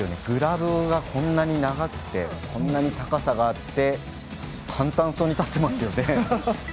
グラブがこんなに長くてこんなに高さがあって簡単そうに立っていますよね。